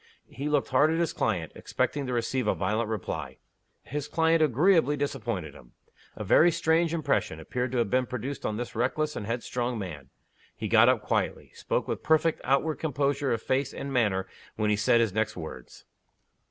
He looked hard at his client, expecting to receive a violent reply. His client agreeably disappointed him. A very strange impression appeared to have been produced on this reckless and headstrong man. He got up quietly; he spoke with perfect outward composure of face and manner when he said his next words.